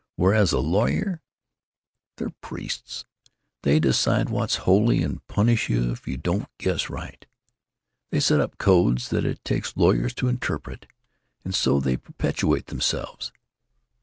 Whereas a lawyer——They're priests. They decide what's holy and punish you if you don't guess right. They set up codes that it takes lawyers to interpret, and so they perpetuate themselves.